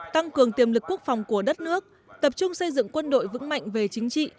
tăng cường tiềm lực quốc phòng của đất nước tập trung xây dựng quân đội vững mạnh về chính trị